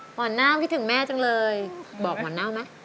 หมอนเน่าคิดถึงแม่จังเลยบอกหมอนเน่ามั้ย